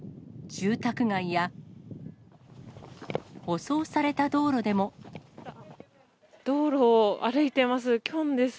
住宅街や、舗装された道路で道路を歩いてます、キョンです。